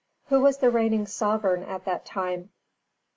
_Who was the reigning sovereign at that time?